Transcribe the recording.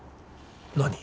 何？